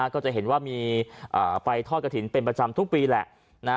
ก็จะเห็นว่ามีไปทอดกระถิ่นเป็นประจำทุกปีแหละ